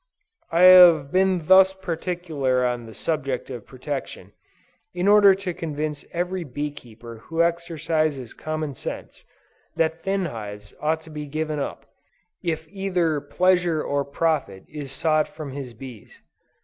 I have been thus particular on the subject of protection, in order to convince every bee keeper who exercises common sense, that thin hives ought to be given up, if either pleasure or profit is sought from his bees.